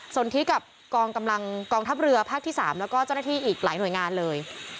ส่วนที่กับกองทัพเรือภาคที่๓แล้วก็เจ้าหน้าที่อีกหลายหน่วยงานเลย